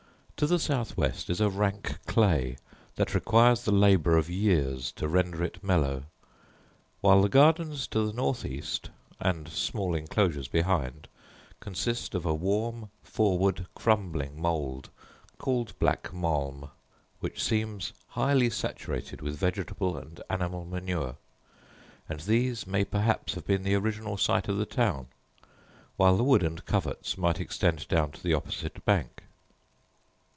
To the south west is a rank clay, that requires the labour of years to render it mellow; while the gardens to the north east, and small enclosures behind, consist of a warm, forward, crumbling mould, called black malm, which seems highly saturated with vegetable and animal manure; and these may perhaps have been the original site of the town; while the wood and coverts might extend down to the opposite bank.